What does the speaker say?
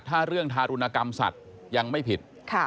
ถ้าเรื่องทารุณกรรมสัตว์ยังไม่ผิด